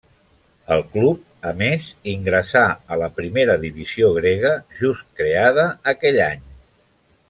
El club, a més, ingressà a la primera divisió grega, just creada aquell any.